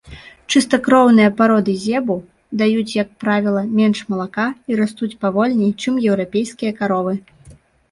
Чыстакроўныя пароды зебу даюць, як правіла, менш малака і растуць павольней, чым еўрапейскія каровы.